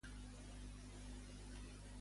Què comenta Victor Kernbach al respecte?